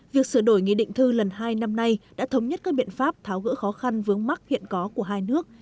việc sửa đổi nghị định thư lần hai năm nay đã thống nhất các biện pháp tháo gỡ khó khăn vướng mắc hiện có của hai nước